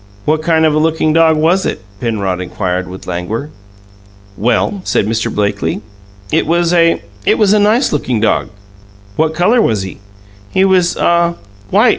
"What kind of a lookin' dog was it?" Penrod inquired, with languor. "Well," said Mr. Blakely, "it was a it was a nice looking dog." "What colour was he?" "He was ah white.